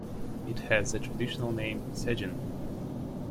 It has the traditional name Segin.